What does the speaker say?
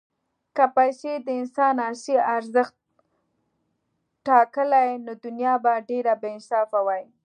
که پیسې د انسان اصلي ارزښت ټاکلی، نو دنیا به ډېره بېانصافه وای.